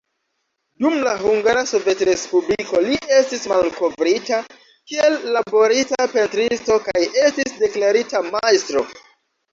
Dum la Hungara Sovetrespubliko li estis malkovrita, kiel laborista pentristo kaj estis deklarita majstro.